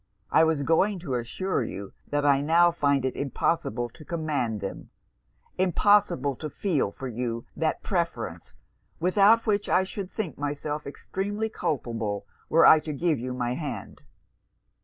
I was going to assure you that I now find it impossible to command them impossible to feel for you that preference, without which I should think myself extremely culpable were I to give you my hand.'